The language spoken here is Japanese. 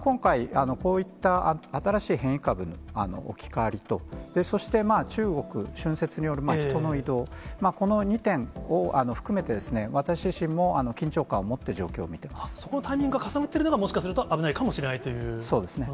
今回、こういった新しい変異株の置き換わりと、そして、中国、春節による人の移動、この２点を含めて、私自身も緊張感を持って、そこ、タイミングが重なっていると、もしかすると危ないかもしれないそうですね。